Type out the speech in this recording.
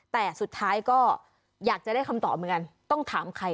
แต่สุดท้ายก็อยากจะได้คำตอบเหมือนกันต้องถามใคร